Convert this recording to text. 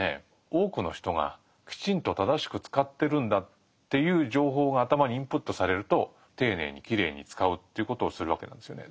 「多くの人がきちんと正しく使ってるんだ」っていう情報が頭にインプットされると丁寧にきれいに使うということをするわけなんですよね。